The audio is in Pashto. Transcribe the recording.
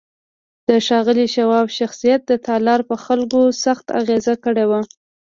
د ښاغلي شواب شخصيت د تالار پر خلکو سخت اغېز کړی و.